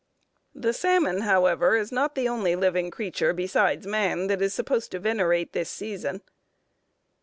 The salmon, however, is not the only living creature, besides man, that is supposed to venerate this season.